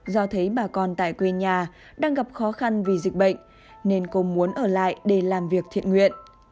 do thấy bà con tại quê nhà đang gặp khó khăn vì dịch bệnh nên cô muốn ở lại để làm việc thiện nguyện